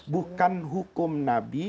bukan hukum nabi